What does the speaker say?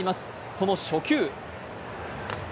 その初球。